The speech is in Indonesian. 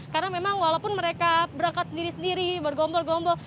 karena memang walaupun mereka berangkat sendiri sendiri bergombol gombol